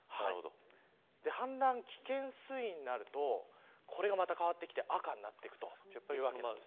氾濫危険水位になるとこれがまた変わってきて赤になっていくというわけです。